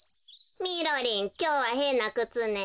みろりんきょうはへんなくつね。